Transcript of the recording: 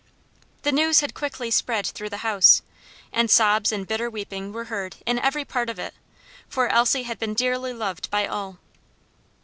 The news had quickly spread through the house, and sobs and bitter weeping were heard in every part of it; for Elsie had been dearly loved by all.